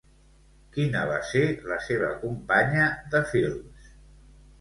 Quina va ser la seva companya de films?